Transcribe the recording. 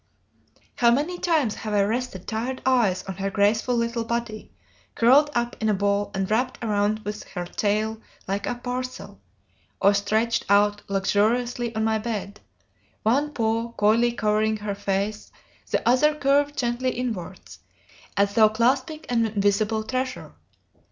"How many times have I rested tired eyes on her graceful little body, curled up in a ball and wrapped round with her tail like a parcel; or stretched out luxuriously on my bed, one paw coyly covering her face, the other curved gently inwards, as though clasping an invisible treasure.